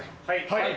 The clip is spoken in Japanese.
はい。